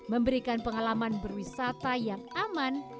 memberikan pengalaman berwisata yang aman